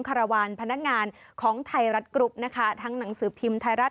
คารวาลพนักงานของไทยรัฐกรุ๊ปนะคะทั้งหนังสือพิมพ์ไทยรัฐ